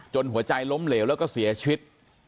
หัวใจล้มเหลวแล้วก็เสียชีวิต